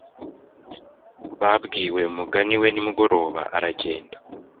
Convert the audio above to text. babwiwe umugani we nimugoroba aragenda